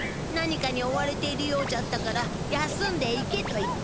何かに追われているようじゃったから休んでいけと言ったんじゃ。